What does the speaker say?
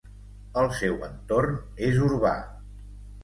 El seu entorn és urbà.